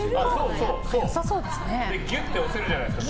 ぎゅって押せるじゃないですか。